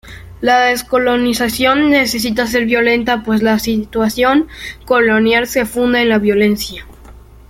La descolonización necesita ser violenta, pues la situación colonial se funda en la violencia.